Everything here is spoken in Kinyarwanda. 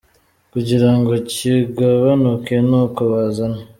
Kugira ngo kigabanuke, ni uko bazana.